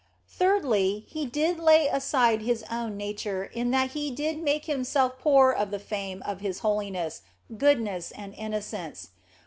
Thirdly, He did lay aside His own nature in that He did make Himself poor of the fame of His holiness, good ness, and innocence.